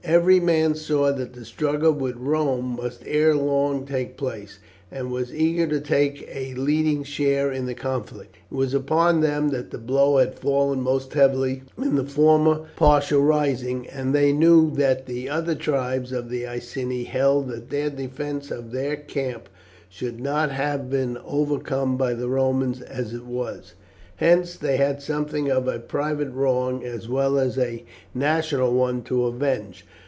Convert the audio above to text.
Every man saw that the struggle with Rome must ere long take place, and was eager to take a leading share in the conflict. It was upon them that the blow had fallen most heavily in the former partial rising, and they knew that the other tribes of the Iceni held that their defence of their camp should not have been overborne by the Romans as it was; hence they had something of a private wrong as well as a national one to avenge.